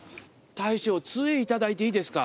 大将杖頂いていいですか？